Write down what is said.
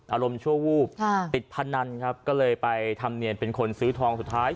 อารมณ์ชั่ววูบติดพนันครับก็เลยไปทำเนียนเป็นคนซื้อทองสุดท้าย